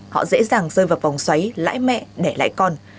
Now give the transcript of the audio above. họ dễ dàng rơi vào vòng xoáy lãi mẹ đẻ lãi con